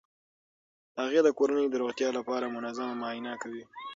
هغې د کورنۍ د روغتیا لپاره منظمه معاینه کوي.